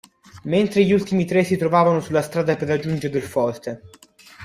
Mentre gli ultimi tre si trovano sulla strada per raggiungere il forte.